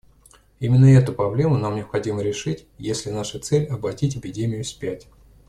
Именно эту проблему нам необходимо решить, если наша цель — обратить эпидемию вспять.